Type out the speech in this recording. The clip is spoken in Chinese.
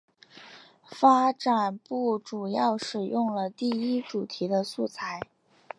发展部主要使用了第一主题的素材。